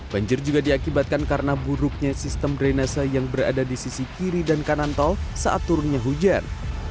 banjir juga diakibatkan karena buruknya sistem drenase yang berada di sisi kiri dan kanan tol saat turunnya hujan